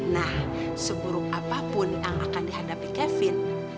nah seburuk apapun yang akan dihadapi kevin